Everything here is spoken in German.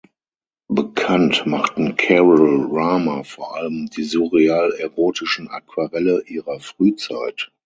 Bekannt machten Carol Rama vor allem die surreal-erotischen Aquarelle ihrer Frühzeit.